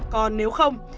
còn nếu không